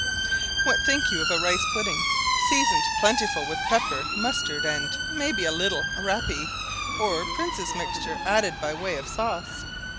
What think you of a rice pudding seasoned plentifully with pepper, mustard, and, may be, a little rappee or prince's mixture added by way of sauce.